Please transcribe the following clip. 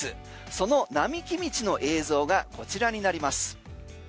その並木道の映像がこちらになります。